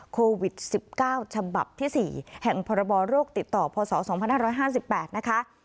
โควิดสิบเก้าฉบับที่สี่แห่งพบโรคติดต่อพศสองพันห้าร้อยห้าสิบแปดนะคะ